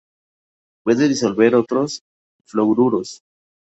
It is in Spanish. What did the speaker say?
Puede disolver otros fluoruros.